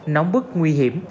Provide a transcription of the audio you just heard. nóng bức nguy hiểm